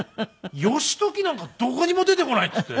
「義時なんかどこにも出てこない」っていって。